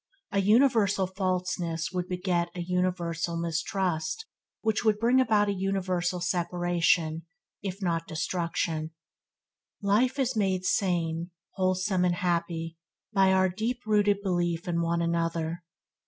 A universal falseness would beget a universal mistrust which would bring about a universal separation, if not destruction. Life is made sane, wholesome, and happy, by our deep rooted belief in one another.